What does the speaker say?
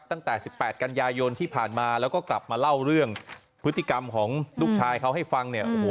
ตั้งแต่๑๘กันยายนที่ผ่านมาแล้วก็กลับมาเล่าเรื่องพฤติกรรมของลูกชายเขาให้ฟังเนี่ยโอ้โห